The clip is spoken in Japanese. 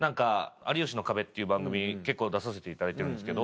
『有吉の壁』っていう番組結構出させていただいてるんですけど。